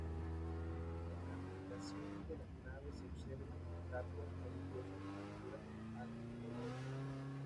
En la ambientación de las naves se observan estatuas religiosas y pinturas al óleo.